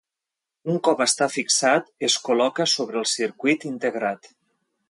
Un cop està fixat, es col·loca sobre el circuit integrat.